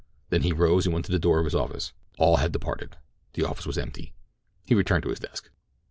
Then he rose and went to the door of his office. All had departed—the office was empty. He returned to his desk.